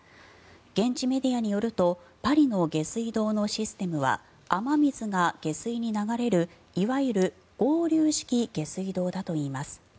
現地メディアによるとパリの下水道のシステムは雨水が下水に流れる、いわゆる合流式下水道だといいます。